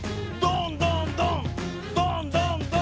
どんどんどん！